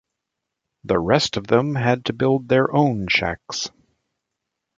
The rest of them had to build their own shacks.